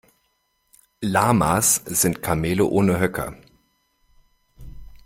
Lamas sind Kamele ohne Höcker.